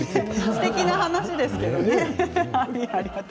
すてきな話ですけどね。